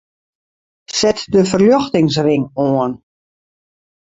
Set de ferljochtingsring oan.